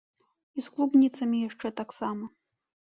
І з клубніцамі яшчэ таксама!